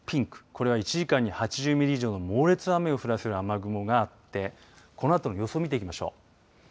これは１時間に８０ミリ以上の猛烈な雨を降らせる雨雲があってこのあとの予想を見ていきます。